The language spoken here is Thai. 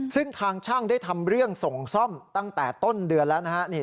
ซึ่งทางช่างได้ทำเรื่องส่งซ่อมตั้งแต่ต้นเดือนแล้วนะฮะ